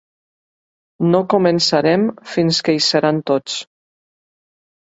No començarem fins que hi seran tots.